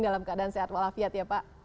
dalam keadaan sehat walafiat ya pak